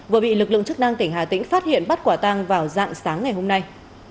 vừa bị lực lượng chức năng tỉnh hà tĩnh phát hiện bắt quả tăng vào dạng sáng ngày hôm nay